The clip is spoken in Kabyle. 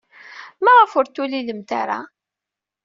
Maɣef ur t-tulilemt ara?